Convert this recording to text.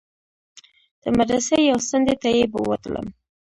د مدرسې يوې څنډې ته يې بوتلم.